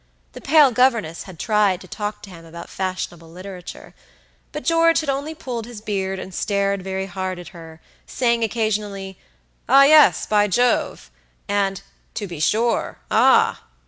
The pale governess had tried to talk to him about fashionable literature, but George had only pulled his beard and stared very hard at her, saying occasionally, "Ah, yes, by Jove!" and "To be sure, ah!"